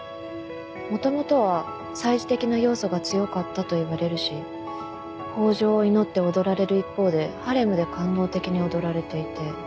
元々は祭事的な要素が強かったといわれるし豊穣を祈って踊られる一方でハレムで官能的に踊られていて。